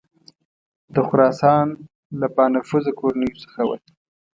د خراسان له بانفوذه کورنیو څخه وه.